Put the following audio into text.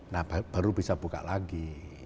nah baru bisa buka lagi